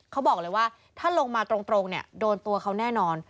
เขาบอกเลยว่าถ้าลงมาตรงเนี่ยโดนตัวเขาแน่นอน